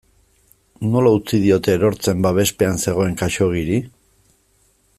Nola utzi diote erortzen babespean zegoen Khaxoggiri?